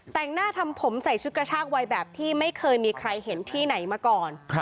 แต่งหน้าทำผมใส่ชุดกระชากวัยแบบที่ไม่เคยมีใครเห็นที่ไหนมาก่อน